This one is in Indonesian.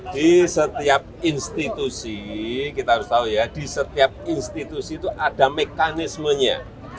di setiap institusi kita harus tahu ya di setiap institusi itu ada mekanismenya